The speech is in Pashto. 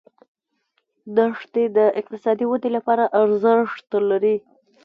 دښتې د اقتصادي ودې لپاره ارزښت لري.